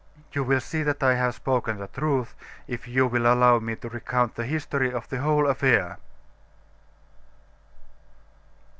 You will see that I have spoken the truth, if you will allow me to recount the history of the whole affair."